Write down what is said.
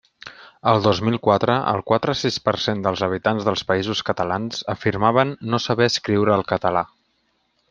El dos mil quatre el quatre-sis per cent dels habitants dels Països Catalans afirmaven no saber escriure el català.